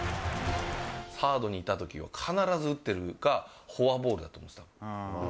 サードにいたときは必ず打ってるか、フォアボールだと思います。